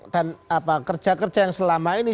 dan kerja kerja yang selama ini